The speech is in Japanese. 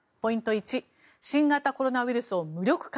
１新型コロナウイルスを無力化。